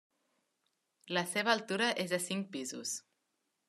La seva altura és de cinc pisos.